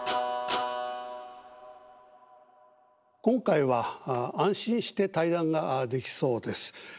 今回は安心して対談ができそうです。